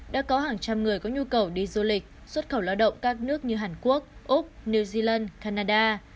đã có hàng trăm người có nhu cầu đi du lịch xuất khẩu lao động các nước như hàn quốc úc new zealand canada